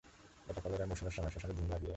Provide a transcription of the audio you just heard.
এটা কলেরার মরসুমের সময়, শ্মশানে ধুম লাগিয়াই আছে।